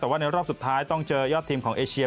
แต่ว่าในรอบสุดท้ายต้องเจอยอดทีมของเอเชีย